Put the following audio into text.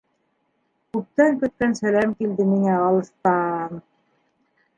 Күптән көткән сәләм килде миңә алыҫтан!